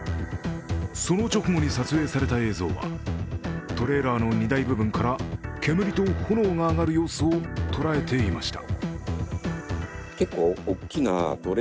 その直後に撮影された映像はトレーラーの荷台部分から煙と炎が上がる様子を捉えていました。